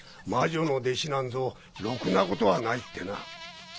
魔女の弟子なんぞろくなことはないってな。